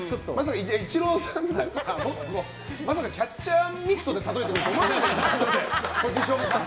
イチローさんだからまさかキャッチャーミットで例えてくる。